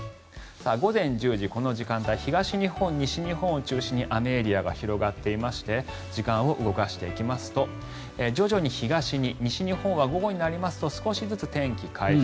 午前１０時、この時間東日本、西日本を中心に雨エリアが広がっていまして時間を動かしていきますと徐々に東に西日本は午後になりますと少しずつ天気回復。